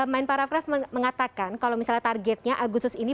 main paragraf mengatakan kalau misalnya targetnya agustus ini